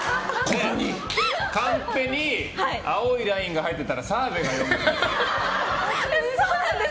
カンペに青いラインが入ってたら澤部が読むんです。